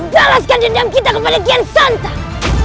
balaskan dendam kita kepada kian santak